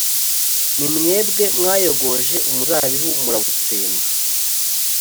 Ni mwebwe mwayogoje umuzabibu murawutsemba,